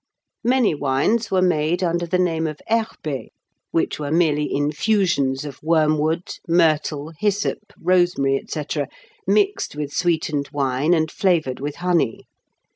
Many wines were made under the name of herbés, which were merely infusions of wormwood, myrtle, hyssop, rosemary, &c., mixed with sweetened wine and flavoured with honey.